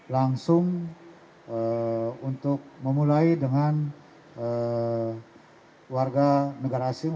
langsung untuk memulai dengan warga negara asing